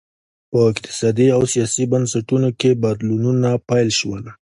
په اقتصادي او سیاسي بنسټونو کې بدلونونه پیل شول